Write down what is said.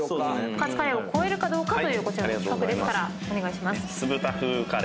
カツカレーを超えるかどうかというこちらの企画ですから。